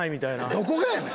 どこがやねん！